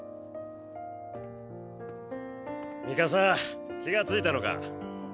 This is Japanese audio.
ミカサ気がついたのか。